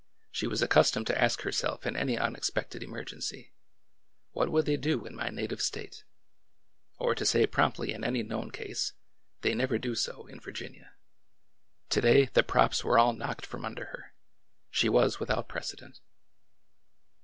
She was accustomed to ask her self in any unexpected emergency : What would they do in my native State ?" or to say promptly in any known case : They never do so in Virginia." To day, the props were all knocked from under her. She was without pre cedent.